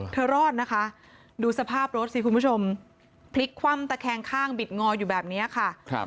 รอดนะคะดูสภาพรถสิคุณผู้ชมพลิกคว่ำตะแคงข้างบิดงออยู่แบบนี้ค่ะ